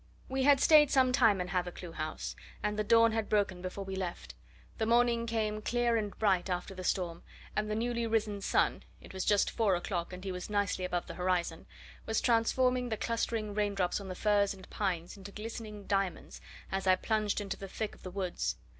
We had stayed some time in Hathercleugh House, and the dawn had broken before we left. The morning came clear and bright after the storm, and the newly risen sun it was just four o'clock, and he was nicely above the horizon was transforming the clustering raindrops on the firs and pines into glistening diamonds as I plunged into the thick of the woods.